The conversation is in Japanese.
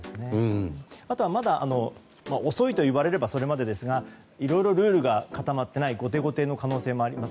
あとはまだ遅いと言われればそれまでですがいろいろルールが固まっていない後手後手の可能性もあります。